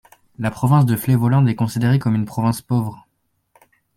La province du Flevoland est considérée comme une province pauvre.